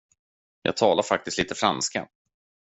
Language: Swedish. Jag talar faktiskt lite franska.